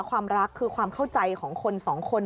ความรักคือความเข้าใจของคนสองคน